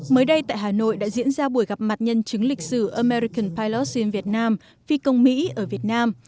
mới đây tại hà nội đã diễn ra buổi gặp mặt nhân chứng lịch sử american pilots in vietnam phi công mỹ ở việt nam